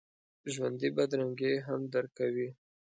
ژوندي بدرنګي هم درک کوي